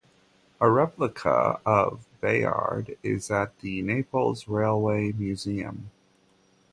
A replica of 'Bayard is at the Naples Railway Museum.